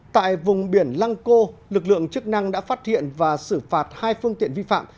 tại vùng biển lăng cô lực lượng chức năng đã phát hiện và xử phạt hai phương tiện vi phạm